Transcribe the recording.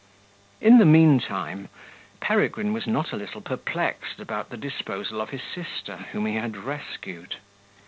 In the mean time, Peregrine was not a little perplexed about the disposal of his sister, whom he had rescued.